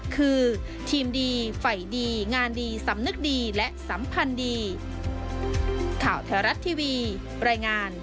คือทีมดีไฟดีงานดีสำนึกดีและสัมพันธ์ดี